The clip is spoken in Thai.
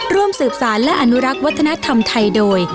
ร่วมสืบสารและอนุรักษ์วัฒนธรรมไทยโดย